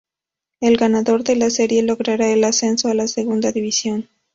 El ganador de la serie logrará el ascenso a la Segunda División.